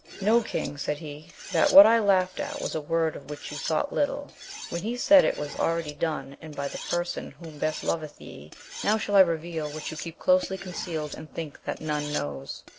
Know, king, said he, that what I laughed at was a word of which you thought little, when he said it was already done, and by the person who best loveth ye. Now shall I reveal what you keep closely concealed and think that none knows.